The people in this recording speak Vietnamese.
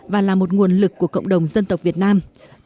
và là một nguồn lực của cộng đồng dân tộc việt nam